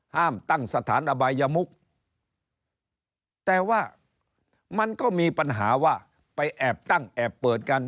ห้ามตั้งสถานอบายมุกแต่ว่ามันก็มีปัญหาว่าไปแอบตั้งแอบเปิดกัน